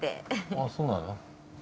あそうなの？